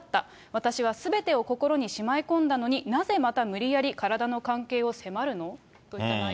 私はすべてを心にしまい込んだのに、なぜまた無理やり体の関係を迫るの？